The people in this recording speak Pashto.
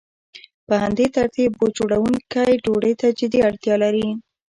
په همدې ترتیب بوټ جوړونکی ډوډۍ ته جدي اړتیا لري